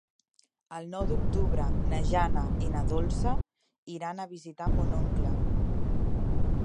El nou d'octubre na Jana i na Dolça iran a visitar mon oncle.